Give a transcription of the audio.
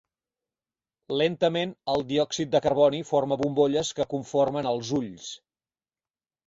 Lentament, el diòxid de carboni forma bombolles que conformen els "ulls".